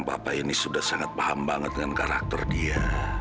bapak ini sudah sangat paham banget dengan karakter dia